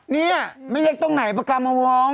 นี่เมเงกตรงไหนประกาศมาวอง